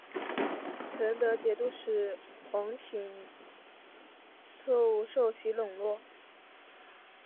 成德节度使王廷凑受其笼络。